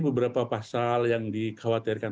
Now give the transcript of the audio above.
beberapa pasal yang dikhawatirkan